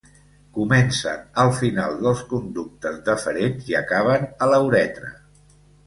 Comencen al final dels conductes deferents i acaben a la uretra.